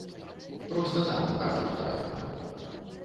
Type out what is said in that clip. Проста так у кадр трапіла.